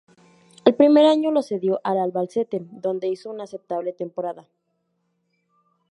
El primer año lo cedió al Albacete, donde hizo una aceptable temporada.